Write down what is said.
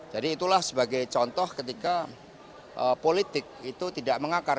jadi itulah sebagai contoh ketika politik itu tidak mengakar